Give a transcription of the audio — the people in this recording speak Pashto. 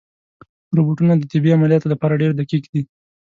روبوټونه د طبي عملیاتو لپاره ډېر دقیق دي.